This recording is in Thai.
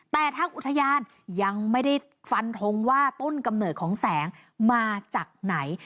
แต่ทางอุทยานยังไม่ได้ฟันทงว่าต้นกำเนิดของแสงมาจากไหน